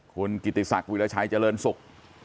คุณกิติศักดิ์วิลชัยเจริญสุข